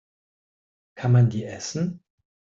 Kann man die essen?